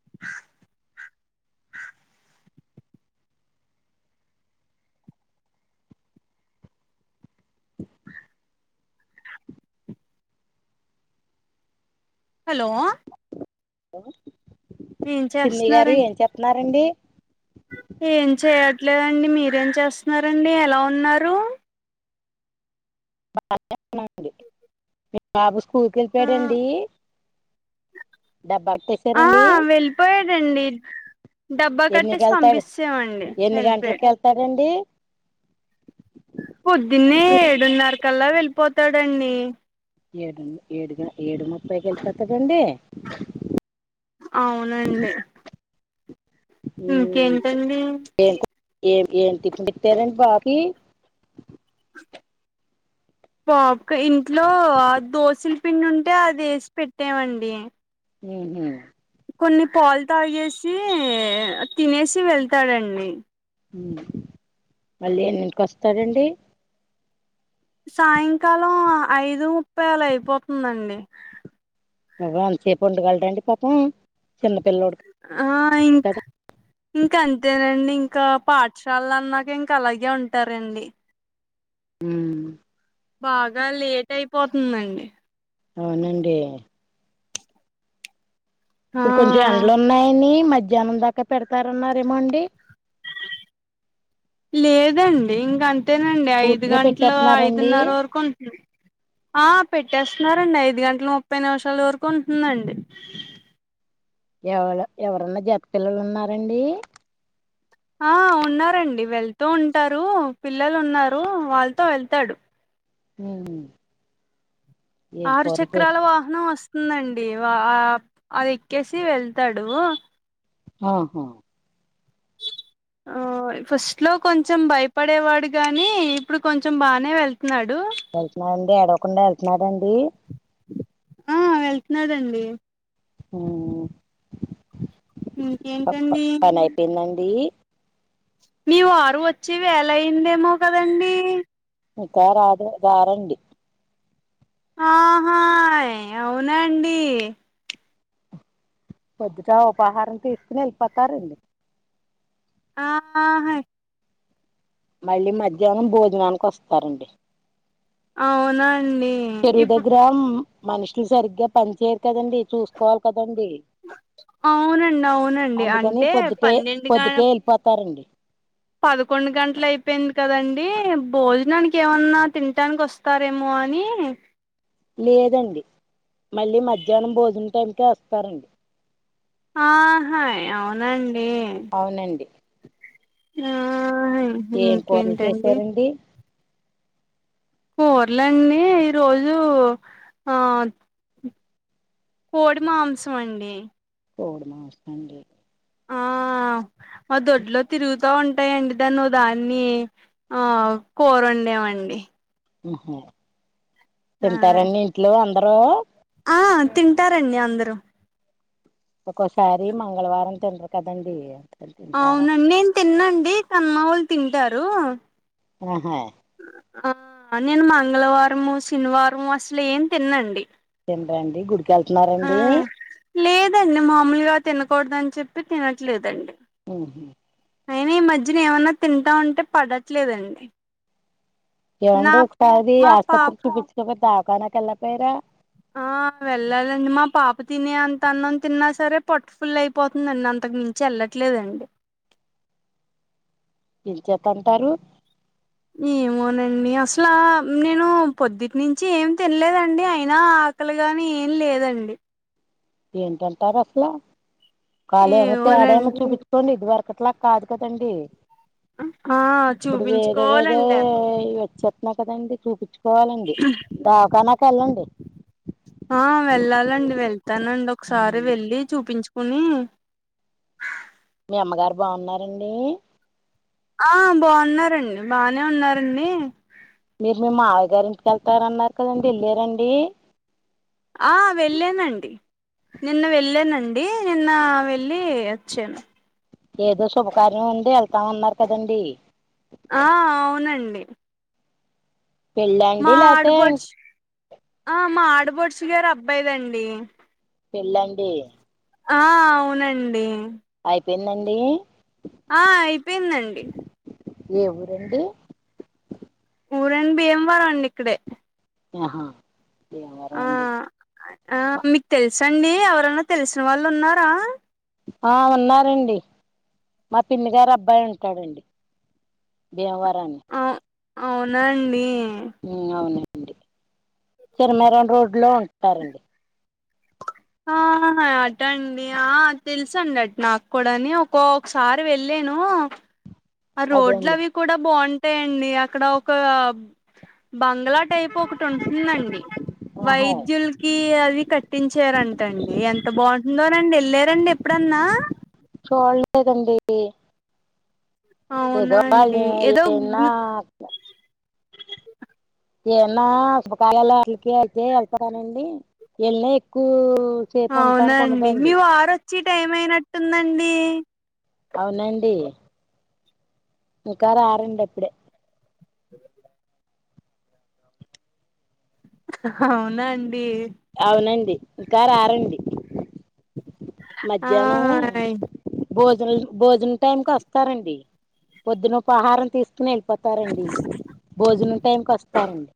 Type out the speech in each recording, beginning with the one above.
[inaudible] Hello hello ఏం చిన్ని గారు చేస్తున్నారండి ఏం చెస్తున్నారండి ఏం చేయట్లేదండి మీరేం చేస్తున్నారండి ఎలా ఉన్నారు బాగనే ఉన్నామండి మీ బాబు స్కూల్కి వెళ్ళిపోడండి డబ్బా ఆ అట్టసారండి వెళ్ళిపోయాడండి డబ్బా ఎన్నిక కట్టేసి వెళ్తాడు పంపించామండి ఎన్ని గంటలకు వెళ్ళిపోయాడు వెళ్తాడండి పొద్దున్నే ఏడున్నర కల్లా వెళ్ళిపోతాడండి ఏడు ఏడుగా ఏడు ముప్పైకి ఎలుపోతాడండి అవునండి ఉమ్, ఇంకేంటండి ఏం ఏం ఏం తిపిన్ పెట్టారండి బాకి పాప్ కి ఇంట్లో ఆ దోసల పిండి ఉంటే అది వేసి పెట్టామండి ఉహు కొన్ని పాలు తాగేసి తినేసి వెళ్తాడండి ఊ మళ్ళీ ఎన్నింటికి వస్తాడండి సాయంకాలం ఐదు ముప్పై ఆళ అయిపోతుందండి నువ అంతసేపు ఉండగలడండి పాపం చిన్న పిల్లడుకి ఆ ఇంకా ఇంకా అంతేనండి ఇంకా పాఠశాల అన్నాక ఇంకా అలాగే ఉంటారండి ఉమ్మ్ బాగా లేట్ అయిపోతుందండి అవునండి ఆ ఇప్పుడు కొంచెం ఎండలు ఉన్నాయని మధ్యాహ్నం దాకా పెడతారు అన్నారేమో అండి లేదండి ఇంగ అం తేనండి ఐదు పూర్తిగా గంటలు పెట్టేస్తున్నారండి ఐదున్నర వరకు ఉంటుంది ఆ పెట్టేస్తున్నారండి ఐదు గంటల ముప్పై నిమిషాల వరకు ఉంటుందండి ఎవళు ఎవరున్నా జత పిల్లలు ఉన్నారండి ఆ ఉన్నారండి వెళ్తూ ఉంటారు పిల్లలు ఉన్నారు వాళ్ళతో వెళ్తాడు ఉమ్మ్ ఆరు చక్రాల వాహనం వస్తుందండి వా అది ఎక్కేసి వెళ్తాడు ఆహా ఆ ఫస్ట్‌లో కొంచెం భయపడేవాడు గాని ఇప్పుడు కొంచెం బానే వెళ్తున్నాడు వెళ్తున్నాడండి ఏడవకుండా ఎళ్తున్నాడండి ఆ వెళ్తున్నడండి ఉమ్మ్ ఇంకేంటండి పని అయిపోయిందండి మీ వారు వచ్చే వేలయిందేమో కదండీ ఇంకా రాదే రారండి ఆహా అవునండి పొద్దుట ఉపాహారం తీసుకుని ఎళ్ళిపోతారండి ఆ ఆయ్ మళ్ళీ మధ్యాహ్నం భోజనానికి వస్తారండి అవునా అండి చెరువు దగ్గర మనుషులు సరిగ్గా పని చేయరు కదండి చూసుకోవాలి కదండి అవునండి అవునండి అందుకని అంటే పొద్దుటే పన్నెండు గ పొద్దుటే ఎళ్ళిపోతారండి పదకొండు గంటల అయిపోయింది కదండి భోజనానికి ఏమన్నా తినాటనికి వ స్తారేమో అని లేదండి మళ్ళీ మధ్యాహ్నం భోజనం టైంకే వస్తారండి ఆహాయ్ అవునాండి అవునండి ఆహాయ్ ఏం కూరలు ఇంకేంటండి చేసారండి కూరలండి ఈరోజు ఆ కోడి మాంసం అండి కోడి మాంసం అండి ఆ మా దొడ్లో తిరుగుతా ఉంటాయండి దాన్ని ఓ దాన్ని ఆ కూరొండమండి ఆహా ఆ తింటారా మీ ఇంట్లో అందరూ ఆ తింటారండి అందరూ ఒక్కోసారి మంగళవారం తినరు కదండి తింటారా అవునండి నేను తిన్నాండి కాని మావొళ్ళు తింటారు ఆహా ఆ నేను మంగళవారము శనివారము అసలు ఏం తిన్నండి తిన్రాండి గుడి కాల్చినారా ఆ లేదండి మామూలుగా తినకూడదని చెప్పి తినట్లేదండి మ్ హు అయినా ఈ మధ్యన ఏమన్నా తింటా ఉంటే పడట్లేదండి నా ఎండి ఒక పది మా పాప ఆసుపత్రికి చూపించప దౌఖాన్ ఎల్లకు పేరా ఆ వెళ్ళాలండి మా పాప తినే అంత అన్నం తిన్నా సరే పొట్టు ఫుల్ అయిపోతుందిండి అంతకు మించి చెళ్లట్లేదండి ఏం చేత అంటారు ఏమోనండి అసలా నేను పొద్దుటి నుంచి ఏమి తినలేదండి అయినా అక్కలుగానీ ఏం లేదండి ఏం తింటారు అసలు కాలీ ఏమో పేడే ఏమో ఏమోనండి చూపిచు కొన్ని ఇదివరకు అట్లా కాదు కదండి ఆ ఇప్పుడు వేరే వేరే చూపించుకోవాలండి లేకపోతే ఇవోచ్చ న్నా కదండి చూపించుకోవాలండి దావకానకెళ్ళండి ఆ వెళ్ళాలండి వెళ్తానండి ఒకసారి వెళ్ళి చూపించుకుని మీ అమ్మగారు బాగున్నారండి ఆ బాగున్నారండి బానే ఉన్నారండి మీరు మీ మావయ్యగారిఇంటికి వెళ్తార అన్నారు కదండి వెళ్ళరండి ఆ వెళ్ళానండి నిన్న వెళ్ళానండి నిన్న వెళ్ళి వచ్చాను ఏదో శుభకార్యం ఉంది వెళ్తాంన్నారు కదండి ఆ అవునండి పెళ్ళా మా అండి లేకపోతే ఆడపడుచు ఆ మా ఆడపడుచు గారు అబ్బాయిదండి పెళ్ళండి ఆ అవునండి అయిపోయిందండి ఆ అయిపోయిందండి ఏ ఊరండి ఊరండి భీయమవరం అండి ఇక్కడే ఆహా ఆ భీంవరమండీ ఆ మీకు తెలుసండి ఎవరన్నా తెలిసిన వాళ్ళు ఉన్నారా ఆ ఉన్నారండి మా పిన్ని గారి అబ్బాయి ఉంటాడండి భీమవరం అవు అవునాండి హు అవునండి చెర్మారాన్ రోడ్డులో ఉంటరండి ఆ అటా అండి ఆ తెలుసండి అటు నాకు కూడాని ఒక్కొక్కసారి వెళ్ళను ఆ అదే రోడ్లు అండి అవి కూడా బాగుంటాయండి అక్కడ ఒక బంగ్లా టైప్ ఒకటి ఉంటుందండి ఆహా వైద్యుల్ కి అవి కట్టించారంట అండి ఎంత బాగుంటుందోనండి వెళ్ళారండి ఎప్పుడన్నా చోడలేదండి అవునా ఏదో వాళ అండి ఏదో ఏన్న ఏన్న శుభకాలలు అలికి వెళ్తే వెళ్తాననింది ఎన్నా ఎక్కువ అవునా ఉండటానికి అండి ఉండదండి మీ వారోచ్చే టైమయినట్టుందండి అవునండి ముకార ఆరండప్పుడే అవునా అండి అవునండి ఇంకా రారండి ఆ మధ్యాహ్నం భోజనల్ భోజనం టైంకి వస్తారండి. పొద్దున ఉపహారం తీసుకుని వెళ్ళిపోతారండి. భోజనం టైంకి వస్తారండి.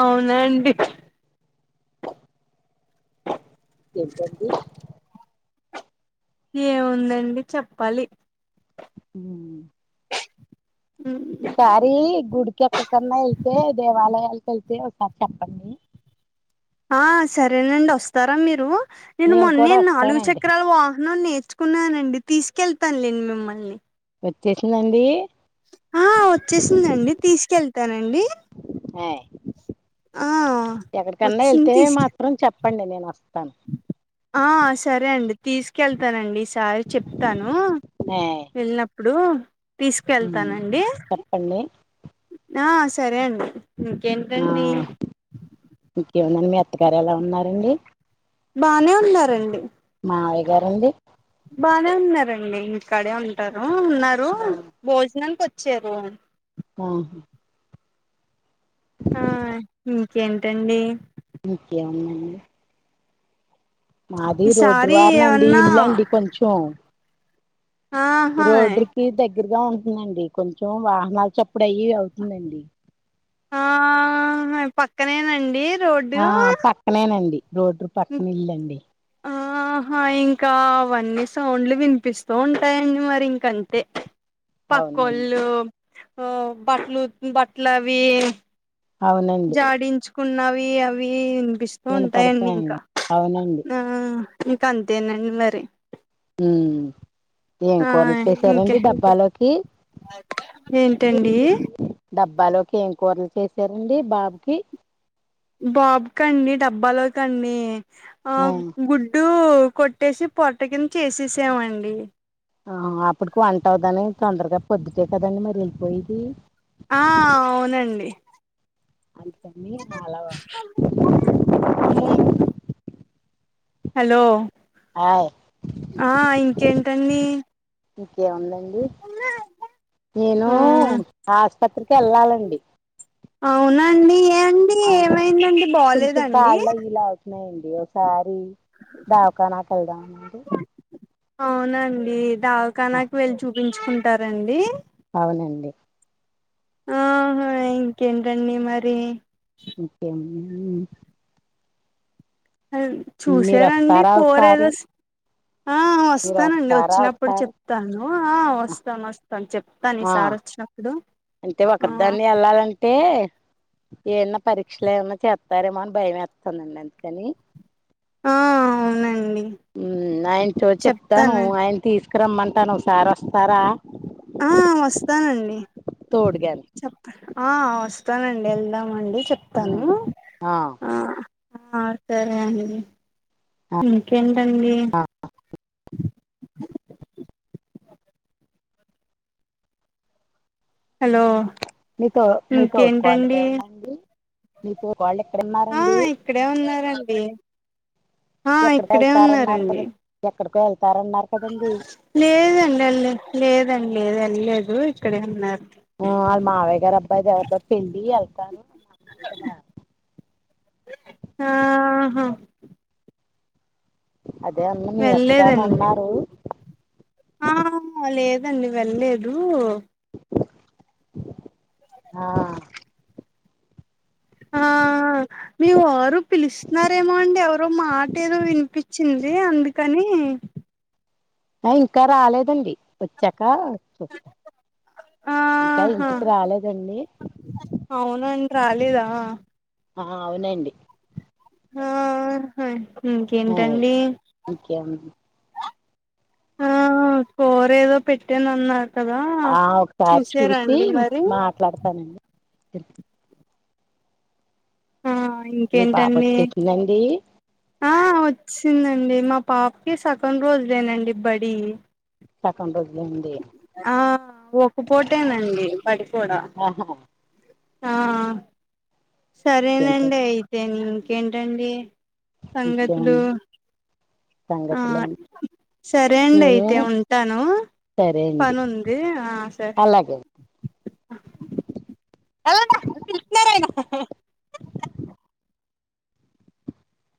అవునండి. ఏంటండీ ఏముందండి చెప్పాలి. మ్మ్ ఈసారి గుడికి ఎక్కడికన్నా వెళ్తే దేవాలయాలకు వెళ్తే ఒకసారి చెప్పండి. ఆ సరేనండి. వస్తారా మీరు? నేను మొన్నే కూడా నాలుగు వస్తానండి చక్రాలు వా హనం నేర్చుకున్నానండి తీసుకెళ్తానులేండి మిమ్మల్ని వచ్చేసిందండి? ఆ వచ్చేసిందండి. తీసుకెళ్తానండి. ఏయ్ ఆ ఎక్కడికన్నా వచ్చింది వెళ్తే తీసుకె మాత్రం చెప్పండి నేను వొస్ ఆ సరే అండి తీసుకెళ్తానండి ఈ సారి చెప్తాను. ఏ వెల్నప్ ప్పుడు తీసుకెళ్తానండి. చెప్పండి ఆ సరే అండి. ఇంకేం ఆ ఇంకేముందండి మీ అత్తగారు ఎలా ఉన్నారండి? బానే ఉన్నారండి. మావయ్య గారండీ? బానే ఉన్నారండి. ఇంటి కాడే ఉంటారు, ఉన్నారు. భోజనానికి వచ్చారు. ఆహ అ ఇంకేంటండి? ఇంకేముందండి? మాది ఈసారి రోడ్డువారనండి ఏమన్నా ఇల్లండి కొంచం. ఆహా రోడ్ రిప్ కి దగ్గరగా ఉంటుందండి. కొంచెం వాహనాలు చప్పుడు అయి అవుతుందండి. ఆ మ పక్కనేనండి. రోడ్డు ఆ పక్కనేనండి. రోడ్రు పక్కన ఇల్లండీ. ఆహా ఇంకా అవన్నీ సౌండ్లు వినిపిస్తూ ఉంటాయండి, మరి ఇంక అంతే. అవునండి పక్కోళ్ళు ఉ బట్లు ఉతుకు బట్లవి అవునండి జాడించుకున్నవి అవి వినిపిస్తూ ఉంటాయిడి ఇంక. వినపడతాయండి అవునండి న ఆ ఇంక అంతేనండి మరి. మ్ ఏం ఆ కూరలు ఇంకే చేసారండీ డబ్బాలోకి? ఏంటండి డబ్బాలోకి ఏం కూరలు చేసారండి బాబుకి? బాబుకండి డబ్బాలోకండి ఆ గుడ్డు కొట్ ట్టేసి పొరట్ట కింద చేసేసామండి. ఆహ అప్పటికి వంట అవదని తొందరగా పొద్దుటే కదండి మరి వెళ్లిపోయేది? ఆ అవునండి. అందుకని నాలో అమ్మమ్మకా హలో ఆయ్ ఆ ఇంకేంటండి ఇంకేముందండి నేను ఆ ఆసుపత్రికి వెళ్ళాలండి అవునండి ఏమండి ఆ ఏమైందండి కొంచెం బాలేదండి కాళ్ళు అవి లాగుతున్నాయి న్నాయండి ఒకసారి దవాకానాకు వెళ్దామనండి అవునండి దవాకానాకు వెళ్ళి చూపించుకుంటారండి అవునండి ఆహా ఇంకేంటండి మరి ఇంకేముందండి మీరు చూసారండి వస్తారా కూర ఒకసారి ఏదో ఆ మీరు వస్తానండి వస్తారా వచ్చినప్పుడు ఒకసారి చెప్తాను వస్తాను ఆ వస్తాను వస్తాను చెప్తాను ఆ ఈసారి వచ్చినప్పుడు అంటే ఒక ఆ దాన్ని వెళ్ళాలంటే ఏమన్నా పరీక్షలు ఏమన్నా చేతారేమో అని భయమేస్తుందండి అందుకని ఆ అవునండి ఉ ఆయన చో చెప్తాను చెప్తానండి ఆయన తీసుకరమ్మంటాను ఒకసారి వస్తారా ఆ వస్తానండి తోడుగాని చెప్ ఆ వస్తానండి వెళ్దాంఅండి చెప్తాను ఉమ్ ఆ సరే అండి ఇంకేంటండి హలో మీతో మీతోడు కోడలు ఇంకేంటండి ఇక్కడే ఉందండి మీ వాళ్ళు ఎక్కడ ఆ ఉన్నారండి ఇక్కడే ఉన్నారండి ఆ ఎక్కడికి ఇక్కడే వెళ్తారన్నారు ఉన్నారండి కదా ఎక్కడికో వెళ్తారన్నారు కదండి లేదండి ఎల్ల లె లేదండి లేదు వెల్లలేదు ఇక్కడే ఉన్నారు ఆ వాళ్ళ మావయ్య గారు అబ్బాయి ది ఎవరిదో పెళ్లి వెళ్తారు కదా ఆహా అదే అన్న మీ అత్తగారు వెళ్ళలేదండి ఉన్నారు ఆ లేదండి వెల్లలేదు ఆ ఆ మీ వారు పిలుస్తున్నారేమో అండి ఎవరో మాట ఏదో వినిపించింది అందుకని ఆ ఇంకా రాలేదండి వచ్చాక చ ఇంకా ఆహా ఇంటికి రాలేదండి అవునండి రాలేదా ఆ అవునండి ఆ ఇంకేంటండి ఇంకేముంది ఆ కూర ఏదో పెట్టేనన్నారు కదా చూసారాండి మరి పెడతానండి ఆ మీ పాప ఇంకేంటండి వచ్చేసిందండి ఆ వచ్చిందండి మా పాపకి సగం రోజులేనండి బడి సగం రోజులే అండి ఆ ఒకపూటేనండి బడి కూడా అహ ఆ సరేనండి ఇంకేంటండి అయితే ఇంకేంటండి సంగతులు ఆ సంగతలు [unintelligible] సరే అండి అయితే ఉంటాను సరే అండి పని ఉంది ఆ సరే అలాగే [unintelligible]